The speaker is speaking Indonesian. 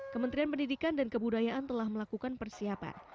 kementerian pendidikan dan kebudayaan telah melakukan persiapan